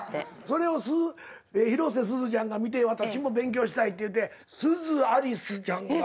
それを広瀬すずちゃんが見て私も勉強したいって言うてすずアリスちゃんが。